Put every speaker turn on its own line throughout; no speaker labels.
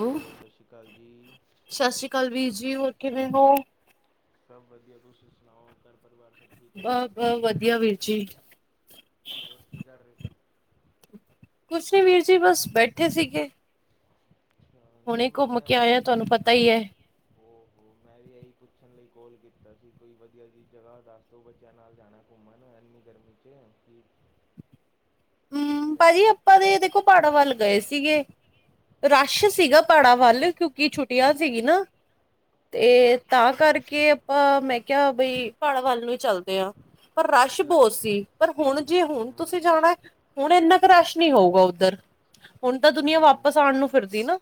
Hello ਸਤਿ ਸ਼੍ਰੀ ਅਕਾਲ ਜੀ।
ਸਤਿ ਸ੍ਰੀ ਅਕਾਲ ਵੀਰ ਜੀ, ਹੋਰ ਕਿਵੇਂ ਹੋ?
ਸਭ ਵਧੀਆ ਤੁਸੀਂ ਸੁਣਾਓ? ਘਰ ਪਰਿਵਾਰ ਸਭ ਠੀਕ-ਠਾਕ?
ਬ-ਬ ਵਧੀਆ ਵੀਰ ਜੀ।
ਹੋਰ ਕੀ ਕਰ ਰਹੇ ਸੀ?
ਕੁਛ ਨਹੀਂ ਵੀਰ ਜੀ ਬਸ ਬੈਠੇ ਸੀਗੇ।
ਅੱਛਾ, ਨਹੀਂ
ਹੁਣੇ ਘੁੰਮ
ਮੈਂ
ਕੇ ਆਏਆ ਤੁਹਾਨੂੰ ਪਤਾ ਹੀ ਹੈ।
ਹੋ ਮੈਂ ਵੀ ਇਹੀ ਪੁੱਛਣ ਲਈ ਕੋਲ ਕੀਤਾ ਸੀ, ਕੋਈ ਵਧੀਆ ਜਿਹੀ ਜਗ੍ਹਾ ਦੱਸ ਦੋ ਬੱਚਿਆਂ ਨਾਲ ਜਾਣਾ ਘੁੰਮਣ ਇੰਨੀ ਗਰਮੀ 'ਚ ਕਿ ਕਿਵੇਂ
ਹੂੰ, ਭਾਜੀ
ਰਹੇ
ਆਪਾਂ ਦੇ ਇਹ ਦੇਖੋ ਪਹਾੜਾ ਵੱਲ ਗਏ ਸੀਗੇ ਰਸ਼ ਸੀਗਾ, ਪਾੜਾਂ ਵੱਲ ਕਿਉਂਕਿ ਛੁੱਟੀਆਂ ਸੀਗੀ ਨਾ
ਅੱਛਾ,
ਤੇ ਤਾਂ ਕਰਕੇ ਆਪਾਂ ਮੈਂ ਕਿਹਾ ਬਈ ਪਾੜਾ ਵੱਲ ਨੂੰ ਚੱਲਦੇ ਹਾਂ ਪਰ ਰਸ਼
ਇਲਾ
ਬਹੁਤ ਸੀ, ਪਰ ਹੁਣ ਜੇ ਹੁਣ ਤੁਸੀਂ
ਹਮ
ਜਾਣਾ ਹੁਣ ਇੰਨਾ ਕੁ ਰਸ਼ ਨਹੀਂ ਹੋਊਗਾ, ਉੱਧਰ ਹੁਣ ਤਾਂ ਦੁਨੀਆਂ
ਹਮ
ਵਾਪਸ ਆਉਣ ਨੂੰ ਫਿਰਦੀ ਨਾ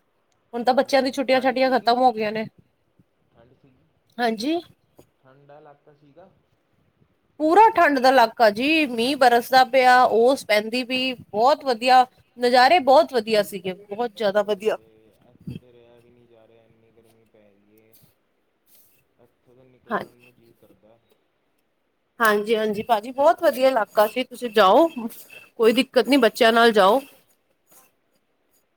ਹੁਣ ਤਾਂ ਬੱਚਿਆਂ ਦੀ
ਹਮ
ਛੁੱਟੀਆਂ
ਠੰਡ
ਛਾੱਟੀਆਂ
ਸੀਗੀ
ਖਤਮ ਹੋ ਗਈਆਂ ਨੇ, ਹਾਂਜੀ
ਠੰਡਾ ਇਲਾਕਾ ਸੀਗਾ
ਪੂਰਾ ਠੰਡ ਦਾ ਇਲਾਕਾ ਜੀ ਮੀਂਹ ਬਰਸਦਾ ਪਿਆ ਔਰਸ ਪੈਂਦੀ ਪਈ ਬਹੁਤ
ਓਏ
ਵਧੀਆ ਨਜ਼ਾਰੇ ਬਹੁਤ ਵਧੀਆ ਸੀਗੇ ਬਹੁਤ ਜ਼ਿਆਦਾ ਵਧੀਆ
[unintelligible] ਇੱਥੇ ਤਾਂ ਰਿਹਾ ਵੀ ਨਹੀਂ ਜਾ ਰਿਹਾ ਇੰਨੀ ਗਰਮੀ ਪੈ ਰਈ ਹੈ ਅੱਥੋਂ ਦਾ
ਹਾਂਜੀ
ਨਿਕਲਣ ਨੂੰ ਜੀ ਕਰਦਾ
ਹਾਂਜੀ-ਹਾਂਜੀ ਭਾਜੀ ਬਹੁਤ ਵਧੀਆ ਇਲਾਕਾ ਸੀ ਤੁਸੀਂ ਜਾਓ ਕੋਈ ਦਿੱਕਤ ਨਹੀਂ ਬੱਚਿਆਂ ਨਾਲ ਜਾਓ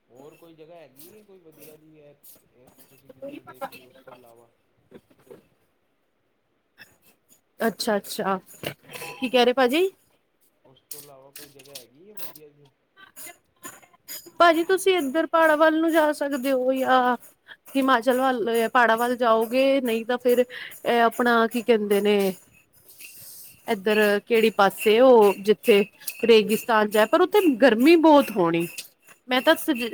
ਹੋਰ ਕੋਈ ਜਗ੍ਹਾ ਹੈਗੀ ਹੈ ਕੋਈ ਵਧੀਆ ਜੀ ਹੈ ਇਹ ਤੁਸੀਂ ਕਿੱਧਰ ਗਏ ਸੀ ਉਸ ਤੋਂ ਇਲਾਵਾ
ਅੱਛਾ-ਅੱਛਾ ਕੀ ਕਹਿ ਰਹੇ ਭਾਜੀ
ਉਸ ਤੋਂ ਇਲਾਵਾ ਕੋਈ ਜਗ੍ਹਾ ਹੈਗੀ ਆ ਵਧੀਆ ਜਿਹੀ
ਭਾਜੀ ਤੁਸੀਂ
ਗਏ
ਇੱਧਰ ਪੜਾਂ ਵੱਲ ਨੂੰ ਜਾ ਸਕਦੇ ਹੋ ਜਾਂ ਹਿਮਾਚਲ ਵੱਲ ਪਹਾੜਾਂ ਵੱਲ ਜਾਓਗੇ ਨਹੀਂ ਤਾਂ ਫਿਰ - ਇਹ ਆਪਣਾ ਕੀ ਕਹਿੰਦੇ ਨੇ
[inaudible]
ਇੱਧਰ ਕਿਹੜੀ ਪਾਸੇ ਉਹ ਜਿੱਥੇ ਰੇਗਿਸਤਾਨ ਜਾਏ ਪਰ ਉੱਥੇ ਗਰਮੀ ਬਹੁਤ ਹੋਣੀ ਮੈਂ ਤਾਂ
ਜੀ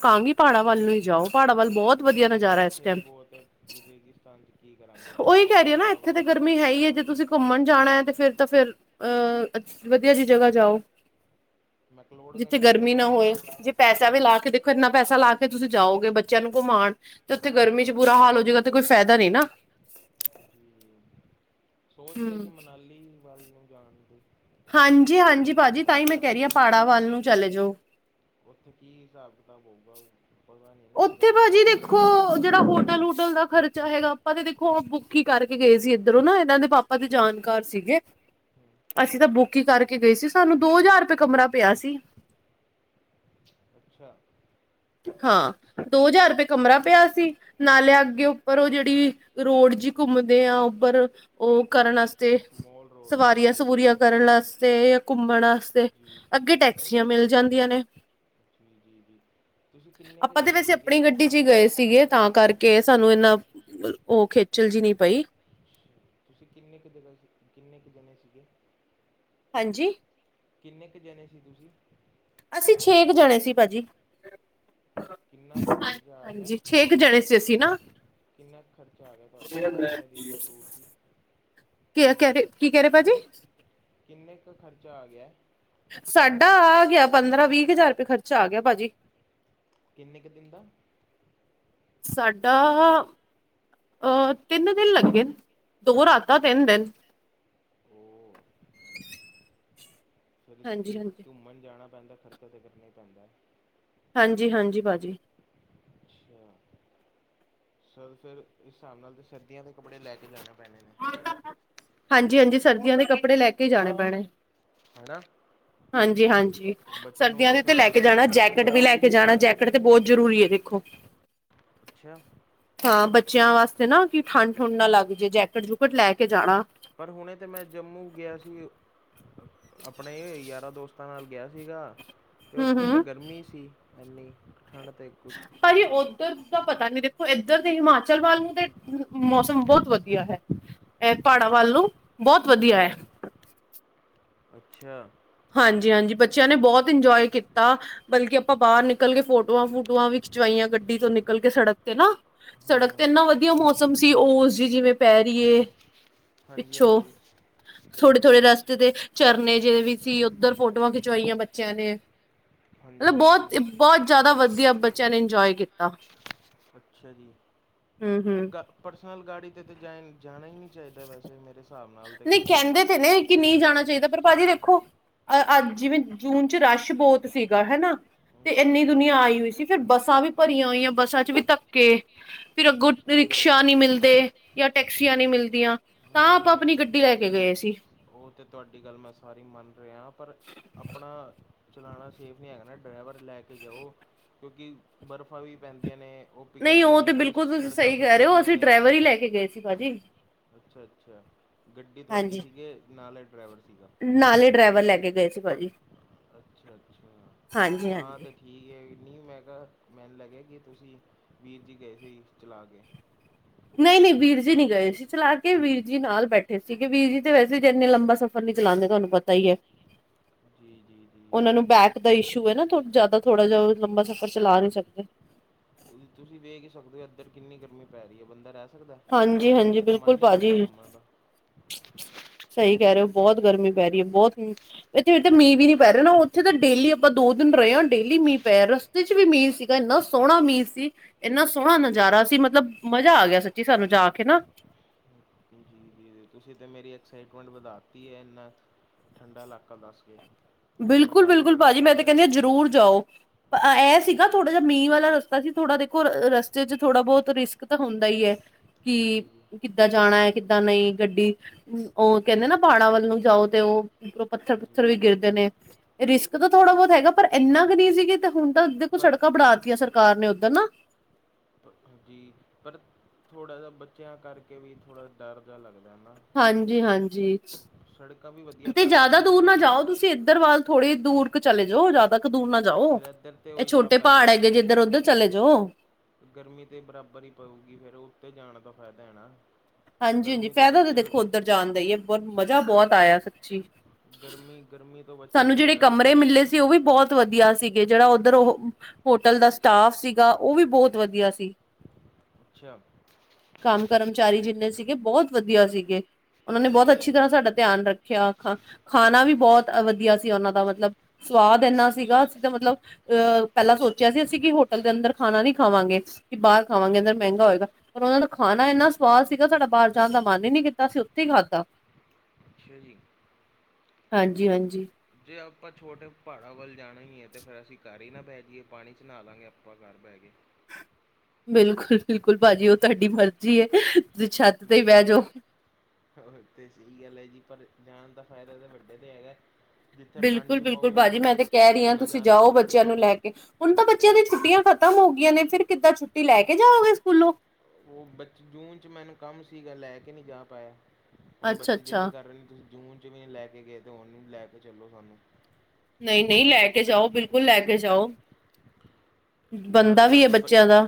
ਕਹਾਂਗੀ ਪਹਾੜਾਂ ਵੱਲ ਨੂੰ ਹੀ ਜਾਓ ਪਹਾੜਾਂ ਵੱਲ ਬਹੁਤ ਵਧੀਆ
ਗਰਮੀ ਤਾਂ
ਨਜ਼ਾਰਾ ਇਸ
ਇੱਥੇ ਵੀ
ਟਾਈਮ।
ਬਹੁਤ ਹੈ ਰੇਗਿਸਤਾਨ ਦੀ
ਉਹੀ ਕਹਿ ਰਹੀਏ ਨਾ ਇੱਥੇ ਤਾਂ ਗਰਮੀ ਹੈ ਹੀ ਹੈ ਜੇ ਤੁਸੀਂ ਘੁੰਮਣ ਜਾਣਾ ਹੈ ਤੇ ਫਿਰ ਤਾਂ ਫਿਰ ਅਹ ਵਧੀਆ ਜਿਹੀ ਜਗ੍ਹਾ ਜਾਓ ਜਿੱਥੇ
ਮੈਕਲੋਡਗੰਜ ਵਗੈਰਾ
ਗਰਮੀ ਨਾ
ਜਾ
ਹੋਏ ਜੇ ਪੈਸਾ
ਮੈਂ
ਵੀ
ਜੀ
ਲਾ ਕੇ ਇੰਨਾ ਪੈਸਾ ਲਾ ਕੇ ਤੁਸੀਂ ਜਾਓਗੇ ਬੱਚਿਆਂ ਨੂੰ ਘੁਮਾਉਣ ਤੇ ਉੱਥੇ ਗਰਮੀ ਚ ਬੁਰਾ ਹਾਲ ਹੋ ਜਾਏਗਾ ਤੇ ਕੋਈ ਫਾਇਦਾ ਨਹੀਂ ਨਾ
ਜੀ ਸੋਚ ਰਹੇ
ਹਮ
ਸੀ ਮਨਾਲੀ ਵੱਲ ਨੂੰ ਜਾਣ ਦੀ ਉੱਥੇ
ਹਾਂਜੀ
ਪਤਾ ਨੀ ਕੀ
ਹਾਂਜੀ ਭਾਜੀ ਤਾਂ ਹੀ
ਹਿਸਾਬ
ਮੈਂ
ਕਿਤਾਬ
ਕਹਿ ਰਹੀ ਹਾਂ
ਹੋਏਗਾ
ਪਹਾੜਾਂ ਵੱਲ ਨੂੰ ਚਲੇ ਜਾਓ।
ਉੱਥੇ ਕੀ ਹਿਸਾਬ ਕਿਤਾਬ ਹੋਊਗਾ ਪਤਾ ਨਹੀਂ ਨਾ
ਉੱਥੇ
ਗਰਮੀ
ਭਾਜੀ ਦੇਖੋ
ਹੋਗੀ
ਜਿਹੜਾ ਹੋਟਲ ਹੋਟਲ ਦਾ ਖਰਚਾ ਹੈਗਾ ਆਪਾਂ ਤੇ ਦੇਖੋ ਬੁੱਕ ਹੀ ਕਰਕੇ ਗਏ ਸੀ ਇੱਧਰੋਂ ਨਾ ਇਦਾਂ ਦੇ ਪਾਪਾ ਦੇ
ਅੱਛਾ
ਜਾਣਕਾਰ ਸੀਗੇ ਅਸੀਂ ਤਾਂ ਬੁੱਕ ਕਰਕੇ ਗਏ ਸੀ ਸਾਨੂੰ ਦੋ ਹਜ਼ਾਰ ਰੁਪਏ ਕਮਰਾ ਪਿਆ ਸੀ।
ਅੱਛਾ।
ਹਾਂ ਦੋ ਹਜ਼ਾਰ ਰੁਪਏ ਕਮਰਾ ਪਿਆ ਸੀ। ਨਾਲੇ ਅੱਗੇ ਉੱਪਰ ਉਹ ਜਿਹੜੀ ਰੋਡ ਜੀ ਘੁੰਮਦੇ ਆ ਉੱਪਰ ਉਹ ਕਰਨ ਤੇ
ਮੋਲ ਰੋਡ
ਸਵਾਰੀਆਂ ਸਵਰੀਆਂ ਕਰਨ ਵਾਸਤੇ ਜਾਂ
ਜੀ
ਘੁੰਮਣ ਵਾਸਤੇ
ਜੀ ਜੀ
ਅੱਗੇ ਟੈਕਸੀਆਂ ਮਿਲ ਜਾਂਦੀਆਂ ਨੇ
ਜੀ ਜੀ ਤੁਸੀਂ ਕਿੰਨੇ ਕੁ
ਆਪਾਂ ਤੇ
ਜਣੇ
ਵੈਸੇ
ਸੀਗੇ
ਆਪਣੀ ਗੱਡੀ ਜੀ ਗਏ ਸੀਗੇ ਤਾਂ ਕਰਕੇ
ਅੱਛਾ
ਸਾਨੂੰ
ਅੱਛਾ
ਇਨਾ
ਅੱਛਾ
ਉਹ ਖੇਚਲ ਜਹੀ ਨੀ ਪਈ
ਅੱਛਾ ਤੁਸੀਂ ਕਿੰਨੇ ਜੱਗਾ ਸੀ ਕਿੰਨੇ ਜਣੇ ਸੀਗੇ
ਹਾਂਜੀ
ਕਿੰਨੇ ਜਣੇ ਸੀ ਤੁਸੀਂ
ਅਸੀਂ ਛੇ ਜਾਣੇ ਸੀ ਭਾਜੀ
ਕਿੰਨਾ ਕੁ ਖ਼ਰਚਾ ਆ ਗਿਆ
ਹਾਂਜੀ ਛੇ ਕੁ ਜਣੇ ਸੀ ਅਸੀਂ ਨਾ
ਕਿੰਨਾ ਕੁ ਖਰਚਾ ਆ ਗਿਆ ਤੁਹਾਡਾ ਕਿੰਨੇ ਦਿਨ ਦਾ ਟੂਰ ਸੀ।
ਕਹਿ ਕੀ ਕਹਿ ਰਹੇ ਭਾਜੀ
ਕਿੰਨੇ ਖਰਚਾ ਆ ਗਿਆ
ਸਾਡਾ ਆ ਗਿਆ ਪੰਦਰਾਂ ਵੀਹ ਕੁ ਹਜ਼ਾਰ ਰੁਪਏ ਖਰਚਾ ਆ ਗਿਆ ਭਾਜੀ
ਕਿੰਨੇ ਕੁ ਦਿਨ ਦਾ
ਸਾਡਾ ਅਹ ਤਿੰਨ ਦਿਨ ਲੱਗੇ ਨੇ ਦੋ ਰਾਤਾਂ ਤਿੰਨ ਦਿਨ
ਉਹ ਫਿਰ
ਹਾਂਜੀ
ਜੇ
ਹਾਂਜੀ
ਘੁੰਮਣ ਜਾਣਾ ਪੈਂਦਾ ਖਰਚਾ ਤਾਂ ਕੱਢਣਾ ਪੈਂਦਾ
ਹਾਂਜੀ, ਹਾਂਜੀ ਬਾਜੀ।
ਅੱਛਾ, ਸਰ ਫਿਰ ਇਸ ਹਿਸਾਬ ਨਾਲ ਤੇ ਸਰਦੀਆਂ ਦੇ ਕੱਪੜੇ ਲੈ ਕੇ ਜਾਣੇ ਪੈਣੇ। ਨੇ
ਹਾਂਜੀ, ਹਾਂਜੀ ਸਰਦੀਆਂ ਦੇ ਕੱਪੜੇ ਲੈ ਕੇ ਈ ਜਾਣੇ ਪੈਣੇ।
ਹਾਣਾ
ਹਾਂਜੀ, ਹਾਂਜੀ ਸਰਦੀਆਂ
ਤਾਂ
ਦੇ ਤੇ
ਫਿਰ
ਲੈ ਕੇ
ਜੀ
ਜਾਣਾ ਜੈਕ ਜੈਕਟ ਵੀ ਲੈ ਕੇ ਜਾਣਾ ਜੈਕਟ ਤੇ ਬਹੁਤ ਜ਼ਰੂਰੀ ਏ ਵੇਖੋ।
ਅੱਛਾ।
ਹਾਂ, ਬੱਚਿਆਂ ਵਾਸਤੇ ਨਾ ਕਿ ਠੰਡ ਠੁੰਡ ਨਾ ਲੱਗ ਜੇ ਜੈਕਟ ਜੁਕਟ ਲੈ ਕੇ ਜਾਣਾ।
ਪਰ ਹੁਣੇ ਤੇ ਮੈਂ ਜੰਮੂ ਗਿਆ ਸੀ ਆਪਣੇ ਯਾਰਾਂ ਦੋਸਤ ਾਂਤਾ ਨਾਲ ਗਿਆ ਸੀਗਾ ਤੇ
ਹੂੰ
ਉੱਥੇ ਤੇ
ਹੂੰ
ਗਰਮੀ ਸੀ ਇੰਨੀ ਠੰਡ ਤੇ ਕੁਛ
ਭਾਜੀ ਓਦ ਤੇਰ ਤਾਂ ਪਤਾ ਨਹੀ ਦੇਖੋ ਇੱਧਰ ਦੇ ਹਿਮਾਚਲ ਵੱਲ ਨੂੰ ਤੇ ਮੌਸਮ ਬਹੁਤ ਵਧੀਆ ਹੈ। ਐ ਪਹਾੜਾਂ ਵੱਲ ਨੂੰ ਬਹੁਤ ਵਧੀਆ
ਹੂੰ
ਐ।
ਅੱਛਾ।
ਹਾਂਜੀ ਹਾਂਜੀ ਬ ਚਿਆਂ ਨੇ ਬਹੁਤ ਇੰਜੋਏ ਕੀਤਾ। ਬਲਕਿ ਆਪਾਂ ਬਾਰ ਨਿਕਲ ਕੇ ਫੋਟੋਆਂ ਫੂਟੂਆਂ ਵੀ ਖਿਚਵਾਈਆਂ ਗੱਡੀ ਤੋਂ ਨਿਕਲ ਕੇ ਸੜਕ ਤੇ ਨਾ। ਸੜਕ ਤੇ
ਹੂੰ
ਇੰਨਾ ਵਧੀਆ ਮੌਸਮ ਸੀ ਓਸ ਜੀ ਜਿਵੇਂ ਪੈ ਰੀਏ।
ਹਾਂਜੀ
ਪਿੱਛੋਂ
ਹਾਂਜੀ
ਥੋੜੇ ਥੋੜੇ
ਹਾਂਜੀ
ਰਸਤੇ ਤੇ ਝਰਨੇ ਜੇ ਵੀ ਸੀ ਉੱਧਰ ਫੋਟੋਆਂ ਖਿਚਵਾਈਆਂ ਬੱਚਿਆਂ ਨੇ।
ਹਾਂਜੀ
ਮਤਲਬ
ਹਾਂਜੀ
ਬਹੁਤ-ਬਹੁਤ ਜ਼ਿਆਦਾ ਵਧੀਆ ਬੱਚਿਆਂ ਨੇ ਇੰਜੋਏ ਕੀਤਾ।
ਅੱਛਾ ਜੀ ਤੇ
ਹੂੰ-ਹੂੰ
ਗ ਪਰਸਨਲ ਗਾੜੀ ਤੇ ਤਾਂ ਜਾਇ ਜਾਣਾ ਹੀ ਨਹੀਂ ਚਾਹੀਦਾ ਵੈਸੇ ਤੇ ਮੇਰੇ ਸਾਬ ਨਾਲ ਤੇ
ਨਹੀਂ
ਕਿਉਂਕਿ
ਕਹਿੰਦੇ ਤੇ ਨੇ ਕਿ ਨਹੀਂ ਜਾਣਾ ਚਾਹੀਦਾ ਪਰ ਭਾਜੀ ਦੇਖੋ ਅੱਜ ਜਿਵੇਂ ਜੂਨ ਚ ਰਸ਼ ਬਹੁਤ ਸੀਗਾ ਹੈਨਾ ਤੇ
ਹਾਂਜੀ,
ਇੰਨੀ ਦੁਨੀਆਂ ਆਈ ਹੋਈ ਸੀ ਫਿਰ ਬੱਸਾਂ ਵੀ ਭਰੀਆਂ ਹੋਈਆਂ ਸੀ ਬੱਸਾਂ ਚ ਵੀ ਧੱਕੇ ਫਿਰ ਅੱਗੋਂ
ਹੂੰ।
ਰਿਕਸ਼ਾ ਨੀ ਮਿਲਦੇ ਯਾ ਟੈਕਸੀਆਂ ਨੀ ਮਿਲਦੀਆਂ ਤਾਂ
ਨਹੀਂ
ਆਪਾਂ ਆਪਣੀ
ਨਹੀਂ
ਗੱਡੀ ਲੈ ਕੇ ਗਏ
ਜੀ
ਸੀ
ਓ ਤੇ ਤੁਹਾਡੀ ਗੱਲ ਮੈਂ ਸਾਰੀ ਮੰਨ ਰਿਹਾ ਪਰ ਆਪਣਾ ਚਲਾਣਾ ਸੇਫ ਨੀ ਹੈਗਾ ਨਾ ਡਰਾਈਵਰ ਲੈ ਕੇ ਜਾਓ ਕਿਉਂਕਿ ਬਰਫ਼ਾਂ ਵੀ ਪੈਂਦੀਆਂ ਨੇ ਓ
ਨਹੀਂ
ਪਿਘਲਦੀਆਂ
ਉਹ
ਨੇ ਤੇ
ਬਿਲਕੁਲ ਤੁਸੀਂ
ਸੜਕਾਂ
ਸਹੀ ਕਹਿ ਰਹੇ ਹੋ
ਫਿਸਲਦੀਆਂ
ਅਸੀਂ
ਨੇ
ਡਰਾਈਵਰ ਹੀ ਲੈ ਕੇ ਗਏ ਸੀ ਭਾਜੀ
ਅੱਛਾ-ਅੱਛਾ ਗੱਡੀ ਤੁਹਾਡੀ
ਹਾਂਜੀ
ਸੀਗੇ ਨਾਲ ਏ ਡਰਾਈਵਰ ਸੀ ਗਾ
ਨਾਲੇ
[unintelligible]
ਡਰਾਈਵਰ ਲੈ ਕੇ ਗਏ ਸੀ ਭਾਜੀ
ਅੱਛਾ-ਅੱਛਾ
ਹਾਂਜੀ
ਤਾਂ
ਹਾਂਜੀ
ਤੇ ਠੀਕ ਹੈ [unintelligible] ਨੀ ਮੈਂ ਕਿਹਾ ਮੈਨੂੰ ਲੱਗਿਆ ਕਿ ਤੁਸੀਂ ਵੀਰ ਜੀ ਗਏ ਸੀ ਚਲਾ ਕੇ
ਨਈ -ਨਈ ਵੀਰ ਜੀ ਨਹੀਂ ਗਏ ਸੀ ਚਲਾ ਕੇ ਵੀਰ ਜੀ ਨਾਲ ਬੈਠੇ ਸੀ ਗੇ ਵੀਰ ਜੀ ਤੇ ਵੈਸੇ ਜੇ ਇਨੇ ਲੰਬਾ ਸਫ਼ਰ ਹੁਣ ਨੀ ਚਲਾਉਂਦੇ ਤੁਹਾਨੂੰ ਪਤਾ ਈ ਐ
[inaudible] ਜੀ
ਉਹਨਾਂ
ਜੀ
ਨੂੰ ਬੈਕ ਦਾ ਇਸ਼ੂ ਐ ਨਾ ਤੋ ਜ਼ਿਆਦਾ ਥੋੜ੍ਹਾ ਜਿਹਾ ਲੰਬਾ ਸਫ਼ਰ ਚਲਾ ਨਹੀਂ ਸਕਦੇ
ਤੁਸੀਂ ਵੇਖ ਹੀ ਸਕਦੇ ਹੋ ਇੱਧਰ ਕਿੰਨੀ ਗਰਮੀ ਪੈ ਰਹੀ ਹੈ ਬੰਦਾ ਰਹਿਸ
ਹਾਂਜੀ
[unintelligible]
ਹਾਂਜੀ
ਬੰਦੇ ਦਾ ਮਨ
ਬਿਲਕੁਲ
ਨਹੀਂ
ਭਾਜੀ
ਕਰਦਾ ਘੁੰਮਣ ਦਾ।
ਸਹੀ ਕਹਿ ਰਹੇ ਓ ਬਹੁਤ ਗਰਮੀ ਪੈ ਰਹੀ ਹੈ ਬਹੁਤ ਇੱਥੇੇ ਮੀਂਹ ਵੀ
ਹਾਂਜੀ
ਨੀ ਪੈ
ਹਾਂਜੀ
ਰਿਹਾ ਨਾ ਇੱਥੇ ਤਾਂ ਡੇਲੀ ਆਪਾਂ ਦੋ ਦਿਨ ਰਹੇ ਹਾਂ ਡੇਲੀ ਮੀਂਹ ਪੇਆ ਰਸਤੇ ਚ ਇਥੇ ਵੀ ਮੀਹ ਸੀਗਾ ਇੰਨਾ ਸੋਹਣਾ ਮੀਹ ਸੀ ਇੰਨਾ ਸੋਹਣਾ ਨਜ਼ਾਰਾ ਸੀ ਮਤਲਬ ਮਜ਼ਾ ਆ ਗਿਆ ਸੀ ਜੀ, ਸਾਨੂੰ ਜਾ ਕੇ ਨਾ
ਜੀ ਜ ਤੁਸੀਂ ਤੇ ਮੇਰੀ ਐਕਸਾਈਟਮੈਂਟ ਵਧਾਤੀ ਏ ਇੰਨਾ ਠੰਡਾ ਲਾਕਾ ਦੱਸ ਕੇ ਮੇਰਾ ਤਾਂ ਮਨ ਹੀ
ਬਿਲਕੁਲ-ਬਿਲਕੁਲ
ਬੜਾ
ਭਾਜੀ ਮੈਂ
ਕਰ
ਤੇ
ਰਿਹਾ
ਕਹਿੰਦੀ ਆ ਜ਼ਰੂਰ ਜਾਓ। ਐ ਸੀ ਨਾ ਥੋੜਾ ਜਿਹਾ ਮੀਂਹ ਵਾਲਾ ਰਸਤਾ ਸੀ ਥੋੜਾ ਦੇਖੋ ਅ ਰਸਤੇ ਚ ਥੋੜਾ ਬਹੁਤ ਰਿਸਕ ਓ ਤਾਂ ਹੁੰਦਾ ਈ ਹੈ
ਜੀ
ਕਿ
ਜੀ
ਕਿੱਦਾਂ ਜਾਣਾ ਏ ਕਿੱਦਾਂ ਨਈ ਗੱਡੀ ਉ ਕਹਿੰਦੇ ਨਾ ਪਾੜਾਂ ਵੱਲ ਨੂੰ
ਜੀ
ਜਾਓ ਤੇ
ਜੀ
ਓ ਉਪਰੋਂ
ਜੀ
ਪੱਥਰ-ਪੁੱਥਰ ਵੀ
ਜੀ
ਗਿਰਦੇ ਨੇ ਰਿਸਕ ਤਾਂ ਥੋੜਾ ਬਹੁਤ ਹੈਗਾ ਪਰ ਇੰਨਾ ਕੁ ਨਹੀਂ ਸੀਗੀ ਤੇ ਦੇਖੋ ਹੁਣ ਤਾਂ ਦੇਖੋ
ਪਰ
ਸੜਕਾਂ ਬਣਾਤੀਆਂ ਸਰ ਕਾਰ ਨੇ ਉੱਧਰ ਨਾ
ਜੀ ਪਰ ਥੋੜ੍ਹਾ ਜਿਹਾ ਬੱਚਿਆਂ ਕਰਕੇ ਵੀ ਥੋੜ੍ਹਾ ਡਰ ਜਿਹਾ ਲੱਗਦਾ ਨਾ
ਹਾਂਜੀ-ਹਾਂਜੀ,
ਸੜਕਾਂ ਵੀ ਵਧੀਆ
ਤੇ
ਕਰਤੀਆਂ
ਜ਼ਿਆਦਾ
ਨੇ
ਦੂਰ ਨਾ ਜਾਓ ਤੁਸੀਂ ਇੱਧਰ ਵਲ ਥੋੜ੍ਹੀ ਦੂਰ ਕ ਚਲੇ ਜਾਓ ਜ ਕ ਦੂਰ ਨਾ ਜਾਓ।
ਫਿਰ ਇੱਧਰ ਤੇ
ਇਹ
ਉਹੀ ਹਿਸਾਬ
ਛੋਟੇ
ਪੈ
ਪਹਾੜ
ਗਿਆ
ਹੈਗੇ ਜਿੱਧਰ, ਉੱਧਰ ਚਲੇ ਜਾਓ।
ਗਰਮੀ ਤੇ ਬਰਾਬਰ ਹੀ ਪਊਗੀ ਫੇਰ ਉੱਤੇ ਜਾਣ ਦਾ ਫਾਇਦਾ ਹੈ ਨਾ।
ਹਾਂਜੀ-ਹਾਂਜੀ,
ਗਰਮੀ ਤੋਂ
ਫਾਇਦਾ ਤਾਂ
ਬਚਣ
ਦੇਖੋ ਉੱਧਰ ਜਾਣ ਦਾ ਹੀ ਹੈ ਬ ਮਜ਼ਾ ਬਹੁਤ ਆਇਆ ਸੱਚੀ।
ਗਰਮੀ, ਗਰਮੀ ਤੋਂ ਬਚਨ ਲਈ ਤਾਂ ਸੀ ਘੁੰਮ
ਤੇ ਉਹ ਵੀ ਬਹੁਤ ਵਧੀਆ ਸੀਗੇ ਜਿਹੜਾ ਉੱਧਰ ਉਹ ਹੋਟਲ ਦਾ ਸਟਾਫ ਸੀਗਾ ਉਹ ਵੀ ਬਹੁਤ ਵਧੀਆ ਸੀ।
ਅੱਛਾ
ਕੰਮ ਕਰਮਚਾਰੀ ਜਿੰਨੇ ਸੀਗੇ ਬਹੁਤ ਵਧੀਆ ਸੀਗੇ ਉਹਨਾਂ ਨੇ ਬਹੁਤ ਅੱਛੀ ਤਰ੍ਹਾਂ ਸਾਡਾ ਧਿਆਨ ਰੱਖਿਆ। ਖਾ -ਖਾਣਾ ਵੀ ਬਹੁਤ ਵਧੀਆ ਸੀ ਉਹਨਾਂ ਦਾ ਮਤਲਬ ਸਵਾਦ ਇੰਨਾ ਸੀਗਾ ਅਸੀਂ ਤਾਂ ਮਤਲਬ ਅਹ ਪਹਿਲਾਂ ਸੋਚਿਆ ਸੀ ਅਸੀਂ ਕਿ ਹੋਟਲ ਦੇ ਅੰਦਰ ਖਾਣਾ ਨਹੀਂ ਖਾਵਾਂਗੇ ਕਿ ਬਾਹਰ ਖਾਵਾਂਗੇ ਅੰਦਰ ਮਹਿੰਗਾ ਹੋਏਗਾ, ਪਰ ਉਹਨਾਂ ਦਾ ਖਾਣਾ ਇੰਨਾ ਸਵਾਦ ਸੀਗਾ ਸਾਡਾ ਬਾਹਰ ਜਾਣ ਦਾ ਮਨ ਹੀ ਨਹੀਂ ਕੀਤਾ ਅਸੀਂ ਉੱਥੇ ਹੀ ਖਾਧਾ
ਅੱਛਾ ਜੀ।
ਹਾਂਜੀ- ਹਾਂਜੀ
ਜੇ ਆਪਾਂ ਛੋਟੇ ਪਹਾੜਾਂ ਵੱਲ ਜਾਣਾ ਹੀ ਹੈ ਤਾਂ ਫੇਰ ਅਸੀਂ ਘਰ ਹੀ ਨਾ ਬਹਿ ਜਾਈਏ ਪਾਣੀ ਚ ਨਾ ਲਵਾਂਗੇ ਆਪਾਂ ਘਰ ਬਹਿ ਕੇ।
ਬਿਲਕੁਲ- ਬਿਲਕੁਲ ਭਾਜੀ, ਉਹ ਤੁਹਾਡੀ ਮਰਜ਼ੀ ਹੈ ਤੁਸੀਂ ਛੱਤ ਤੇ ਹੀ ਬਹਿ ਜਾਓ।
ਹੋਰ ਤੇ ਸਹੀ ਗੱਲ ਹੈ ਜੀ। ਪਰ ਜਾਣ ਦਾ ਫਾਇਦਾ ਤਾਂ ਵੱਡੇ ਤੇ ਹੈਗਾ। ਜਿੱਥੇ ਠੰਡ
ਬਿਲਕੁਲ-
ਵੀ
ਬਿਲਕੁਲ
ਪਊ
ਭਾਜੀ, ਮੈਂ ਤੇ ਕਹਿ ਰਹੀ ਹਾਂ ਤੁਸੀਂ
ਨਜ਼ਾਰਾ
ਜਾਓ
ਆਉਣ
ਬੱਚਿਆਂ ਨੂੰ ਲੈ ਕੇ ਹੁਣ ਤਾਂ ਬੱਚਿਆਂ ਦੀ ਛੁਟੀਆਂ ਖਤਮ ਹੋ ਗਈਆਂ ਨੇ ਫਿਰ ਕਿੱਦਾਂ ਛੁੱਟੀ ਲੈ ਕੇ ਜਾਓਗੇ ਸਕੂਲੋਂ?
ਉਹ ਬ ਜੂਨ ਚ ਮੈਨੂੰ ਕੰਮ ਸੀਗਾ ਲੈ ਕੇ ਨਹੀਂ ਜਾ ਪਾਇਆ। ਹੁਣ ਬੱਚੇ ਜ਼ਿਦ
ਅੱਛਾ-ਅੱਛਾ।
ਕਰ ਰਹੇ ਨੇ, ਤੁਸੀਂ ਜੂਨ 'ਚ ਵੀ ਨਈ ਲੈ ਕੇ ਗਏ, ਹੁਨ ਲੈ ਕੇ ਚੱਲੋ ਸਾਨੂੰ।
ਨਹੀਂ -ਨਹੀਂ, ਲੈ
ਨਾਲੇ
ਕੇ ਜਾਓ, ਬਿਲਕੁਲ ਲੈ ਕੇ ਜਾਓ।
ਨਾਲੇ
ਬਣਦਾ ਵੀ ਏ
ਤੁਹਾਡੀ ਪ
ਬੱਚਿਆਂ ਦਾ।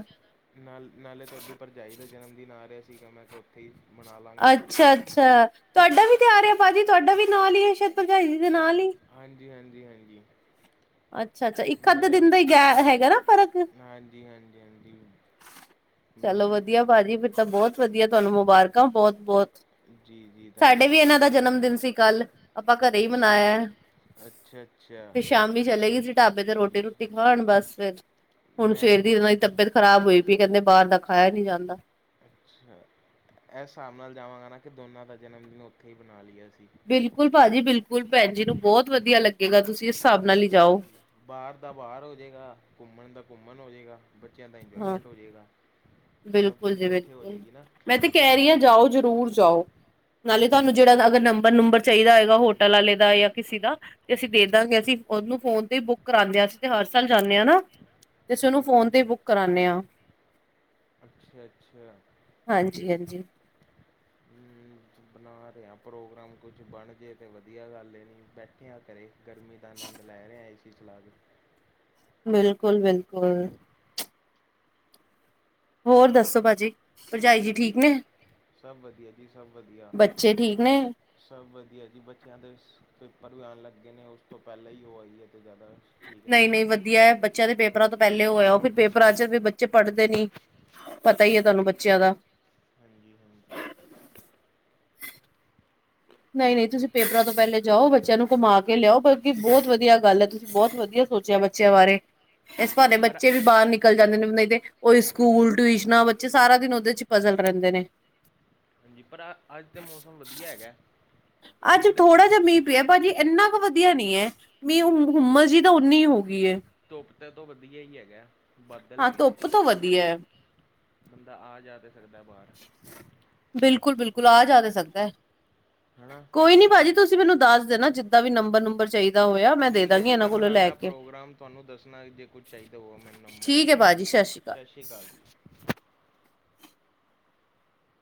ਨਾਲ ਨਾਲੇ ਤੁਹਾਡੀ ਭਰਜਾਈ ਦਾ ਜਨਮਦਿਨ ਆ ਰਿਹਾ ਸੀਗਾ ਮੈਂ ਕਿਹਾ ਓਥੇ ਮਨਾ ਲਾਂਗੇ।
ਅੱਛਾ- ਅੱਛਾ, ਤੁਹਾਡਾ ਵੀ ਤੇ ਆ ਰਿਹਾ ਹੈ ਭਾਜੀ, ਤੁਹਾਡਾ ਵੀ ਨਾਲ ਹੀ ਆ ਸ਼ਾਇਦ ਭਰਜਾਈ ਜੀ ਦੇ ਨਾਲ ਹੀ
ਹਾਂਜੀ- ਹਾਂਜੀ- ਹਾਂਜੀ।
ਅੱਛਾ -ਅੱਛਾ, ਇੱਕ ਅੱਧੇ
ਮੇਰਾ
ਦਿਨ
ਵੀ
ਦਾ ਹੀ ਗ ਹੈਗਾ ਨਾ ਫਰਕ।
ਹਾਂਜੀ -ਹਾਂਜੀ- ਹਾਂਜੀ। ਹਮ,
ਚਲੋ ਵਧੀਆ ਭਾਜੀ ਫਿਰ ਤਾਂ ਬਹੁਤ ਵਧੀਆ ਤੁਹਾਨੂੰ ਮੁਬਾਰਕਾਂ ਬਹੁਤ -ਬਹੁਤ।
ਜੀ ਜੀ
ਸਾਡੇ ਵੀ
ਧੰਨਵਾਦ
ਇਹਨਾਂ ਦਾ ਜਨਮ ਦਿਨ ਸੀ ਕੱਲ। ਆਪਾਂ ਘਰੇ ਹੀ
ਅੱਛਾ
ਮਨਾਇਆ।
ਅੱਛਾ ਅੱਛਾ
ਫੇ ਸ਼ਾਮੀ ਚਲੇ ਗਈ ਸੀ ਢਾਬੇ ਤੇ
ਜੀ
ਰੋਟੀ-ਰੁ
ਜੀ
ਖਾਣ। ਬਸ ਫਿਰ ਹੁਣ
ਮੈਂ
ਸਵੇਰ ਦੀ ਇਹਨਾਂ ਦੀ ਤਬੀਅਤ ਖਰਾਬ ਹੋਈ ਪਈ ਕਹਿੰਦੇ ਬਾਹਰ ਦਾ ਖਾਇਆ ਨਹੀਂ ਜਾਂਦਾ
ਅੱਛਾ, ਇਸ ਹਿਸਾਬ ਨਾਲ ਜਾਵਾਂਗਾ ਨਾ ਕਿ ਦੋਨਾਂ ਦਾ ਜਨਮਦਿਨ ਉੱਥੇ ਹੀ ਮਣਾ ਲਈਏ ਅਸੀਂ
ਬਿਲਕੁਲ ਭਾਜੀ ਬਿਲਕੁਲ, ਭੈਣ ਜੀ ਨੂੰ ਬਹੁਤ ਵਧੀਆ ਲੱਗੇਗਾ ਤੁਸੀਂ ਇਸ ਹਿਸਾਬ ਨਾਲ ਹੀ ਜਾਓ।
ਬਾਹਰ ਦਾ ਬਾਹਰ ਹੋ ਜਾਏਗਾ, ਘੁੰਮਣ ਦਾ ਘੁੰਮਣ ਹੋ ਜਾਏਗਾ, ਬੱਚਿਆਂ ਦਾ
ਹਾਂ
ਇੰਜੋਏਮੈਂਟ ਹੋ ਜਾਏਗਾ। ਸਭ
ਬਿਲਕੁਲ
ਚੀਜ਼
ਜੀ
ਇਕੱਠੇ ਹੋ
ਬਿਲਕੁਲ
ਜਾਏਗੀ ਨਾ।
ਮੈਂ ਤੇ ਕਹਿ ਰਹੀ ਹਾਂ ਜਾਓ ਜਰੂਰ ਜਾਓ। ਨਾਲੇ ਤੁਹਾਨੂੰ ਜਿਹੜਾ ਅਗਰ ਨੰਬਰ -ਨੰਬਰ ਚਾਹੀਦਾ ਹੋਏਗਾ ਹੋਟਲ ਵਾਲੇ ਦਾ ਜਾਂ ਕਿਸੇ ਦਾ, ਤੇ ਅਸੀਂ ਦੇ ਦਾਂਗੇ ਅਸੀਂ ਓਨੂੰ ਫੋਨ ਤੇ ਬੁੱਕ ਕਰਾਦੇਗੇ ਅਸੀਂ ਤੇ ਹਰ ਸਾਲ ਜਾਂਦੇ ਹਾਂ ਨਾ। ਤੇ ਅਸੀਂ ਉਹਨੂੰ
ਅੱਛਾ
ਫੋਨ ਤੇ ਹੀ
ਅੱਛਾ
ਬੁੱਕ ਕਰਾਉ ਹਾਂ
ਅੱਛਾ- ਅੱਛਾ।
ਹਾਂਜੀ -ਹਾਂਜੀ
[unintelligible] ਮ ਬਣਾ ਰਿਹਾ ਪ੍ਰੋਗਰਾਮ ਕੁਛ ਬਣ ਜੇ ਤਾਂ ਵਧੀਆ ਗੱਲ ਇਹ ਨਹੀਂ ਬੈਠੇ ਆ ਘਰੇ। ਗਰਮੀ ਦਾ ਆਨੰਦ ਲਰੇ ਹਾਂ ਅਸੀ ਚਲਾ ਕੇ।
ਬਿਲਕੁਲ-ਬਿਲਕੁਲ। ਹੋਰ ਦੱਸੋ ਭਾਜੀ, ਭਰਜਾਈ ਜੀ
ਹਾਂਜੀ
ਠੀਕ ਨੇ?
ਸਭ ਵਧੀਆ ਜੀ, ਸਭ ਵਧੀਆ।
ਬੱਚੇ ਠੀਕ ਨੇ?
ਸਭ ਵਧੀਆ ਜੀ। ਬੱਚਿਆਂ ਦੇ ਪੇਪਰ ਲਾਣ ਲੱਗੇ ਨੇ, ਉਸ ਤੋਂ ਪਹਿਲਾਂ ਹੀ ਉਹ ਆਈ ਹੈ, ਤੇ ਜ਼ਿਆਦਾ। ਠੀਕ ਰਹੂਗਾ
ਨਈ-ਨਈ, ਵਧੀਆ ਹੈ ਬ ਚਲ, ਪੇਪਰਾਂ ਤੋਂ ਪਹਿਲੇ ਹੋ ਆਇਓ ਫਿਰ ਪੇਪਰਾਂ ਚ ਬੱਚੇ ਪੜ੍ਹਦੇ ਨੀ, ਪਤਾ ਹੀ ਤੁਹਾਨੂੰ ਬੱਚਿਆਂ ਦਾ।
ਹਾਂਜੀ-ਹਾਂਜੀ।
ਨਈ-ਨਈ ਤੁਸੀਂ ਪੇਪਰਾਂ ਤੋਂ ਪਹਿਲੇ ਜਾਓ, ਬੱਚੇਆਂ ਨੂੰ ਘੁਮਾ ਕੇ ਲੇਆਓ ਬਲਕਿ, ਬੋਤ ਵਦੀਆ ਗਾੱਲ ਐ, ਤੁਸੀਂ ਬੋਤ ਵਦੀਆ ਸੋਚੇਆ ਬੱਚੇਆਂ ਬਾਰੇ। ਇਸ ਬ੍ਹਾਨੇ
ਪਰ
ਬੱਚੇ ਵੀ ਬਾਰ ਨਿਕ ਨਿਕਲ ਜਾਂਦੇ ਨਈ ਤੇ, ਓਈ ਸਕੂਲ, ਟਿਊਸ਼ਨਾਂ ਬੱਚੇ ਸਾਰਾ ਦਿਨ ਓਦੇ ਚ ਪਜ਼ਲ ਰੈਂਦੇ ਨੇ।
ਹਾਂਜੀ ਪਰ ਆ, ਆੱਜ ਤਾਂ ਮੌਸਮ ਵਦੀਆ ਹੈਗਾ।
ਅੱਜ
ਥੋੜ੍ਹੀ ਕੁ
ਥੋੜਾ ਜੇਆ ਮੀਂ ਪੇਆ, ਭਾਜੀ ਏਨਾ ਕ ਵਦੀਆ ਨਈ ਐ, ਮੀਂ ਓ ਹੁੰ, ਹੁੰਮਾ ਜੀ ਤੋ ਓਨੀ ਹੋ ਗਈ ਏ।
ਧੁੱਪ ਤੋਂ ਵਦੀਆ ਈ ਹੈਗਾ, ਬੱਦਲ
ਹਾਂ
ਹੈਗੇ ਨੇ।
ਧੁੱਪ ਤੋਂ ਵਧੀਆ ਹੈ।
ਬੰਦਾ ਆ ਜਾ ਤਾਂ ਸਕਦਾ ਬਾਰ।
ਬਿਲਕੁਲ-ਬਿਲਕੁਲ ਆ ਜਾ ਤਾਂ ਸਕਦਾ ਐ।
ਹੈ
ਕੋਈ ਨੀ ਭਾਜੀ
ਨਾ
ਤੁਸੀਂ ਮੈਨੂੰ ਦੱਸ ਦੇਣਾ, ਜਿੱਦਾਂ ਵੀ ਨੰਬਰ, ਨੂੰਬਰ ਚਈ
ਠੀਕ ਐ ਜੀ ਮੈਂ ਬਣਾਣਾ ਪ੍ਰੋਗਰਾਮ ਤੁਆਨੂੰ ਦੱਸਣਾ ਜੇ ਕੁਝ ਚਾਈਦਾ ਓ ਮੈਨੂੰ ਨੰਬਰ,
ਠੀਕ ਹੈ
ਨੂੰਬਰ
ਭਾਜੀ ਸਤਿ ਸ਼੍ਰੀ ਅਕਾਲ।
ਸ਼ਸ਼ੀ ਕਾਲ ਜੀ।